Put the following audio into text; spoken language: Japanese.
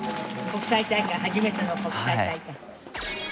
国際大会初めての国際大会。